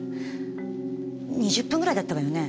２０分ぐらいだったわよね？